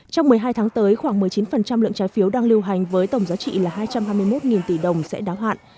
trong một mươi hai tháng tới khoảng một mươi chín lượng trái phiếu đang lưu hành với tổng giá trị là hai trăm hai mươi một tỷ đồng sẽ đáo hạn